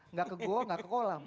nggak ke goa nggak ke kolam